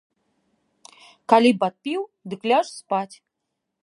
Калі падпіў, дык ляж спаць!